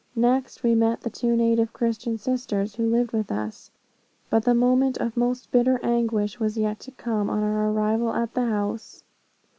Next, we met the two native Christian sisters, who lived with us. But the moment of most bitter anguish was yet to come on our arrival at the house.